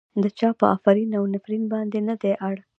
د چا په افرین او نفرين باندې نه دی اړ.